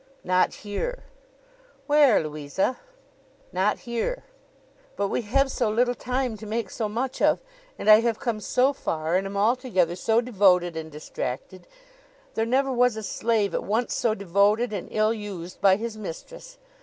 'Not here.' 'Where, Louisa? 'Not here.' 'But we have so little time to make so much of, and I have come so far, and am altogether so devoted, and distracted. There never was a slave at once so devoted and ill used by his mistress.